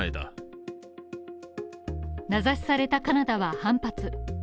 名指しされたカナダは反発。